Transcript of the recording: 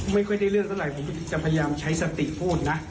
ไม่ค่อยได้เรื่องเท่าไหร่ผมจะพยายามใช้สติพูดนะ